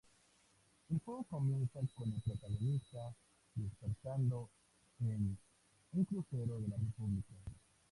El juego comienza con el protagonista despertando en un Crucero de la República.